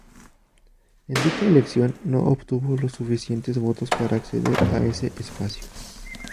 En dicha elección no obtuvo los suficientes votos para acceder a ese espacio.